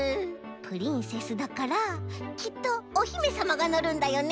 プリンセスだからきっとおひめさまがのるんだよね？